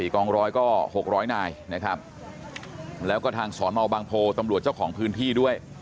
กองร้อยก็๖๐๐นายนะครับแล้วก็ทางสอนอบางโพตำรวจเจ้าของพื้นที่ด้วย